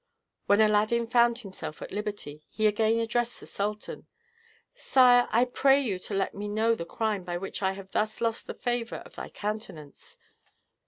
When Aladdin found himself at liberty, he again addressed the sultan: "Sire, I pray you to let me know the crime by which I have thus lost the favor of thy countenance."